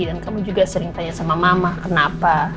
dan kamu juga sering tanya sama mama kenapa